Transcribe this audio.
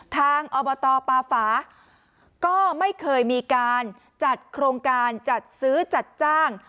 อบตปาฝาก็ไม่เคยมีการจัดโครงการจัดซื้อจัดจ้าง